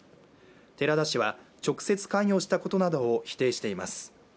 寺田氏は直接関与したことなどを否定しています。